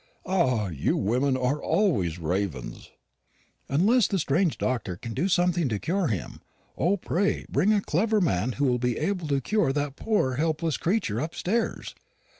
"Ah, you women are always ravens." "Unless the strange doctor can do something to cure him. O, pray bring a clever man who will be able to cure that poor helpless creature upstairs.